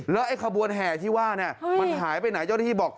แล้วไอ้ขบวนแห่ที่ว่าเนี่ยมันหายไปไหนเจ้าหน้าที่บอก